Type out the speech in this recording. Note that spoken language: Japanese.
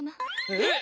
えっ！